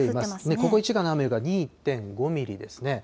ここ１時間の雨は２．５ミリですね。